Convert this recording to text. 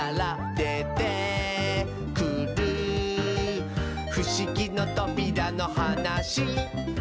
「でてくるふしぎのとびらのはなし」